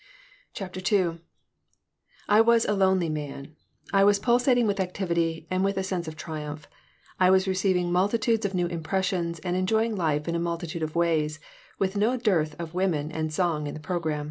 CHAPTER II I WAS a lonely man. I was pulsating with activity and with a sense of triumph. I was receiving multitudes of new impressions and enjoying life in a multitude of ways, with no dearth of woman and song in the program.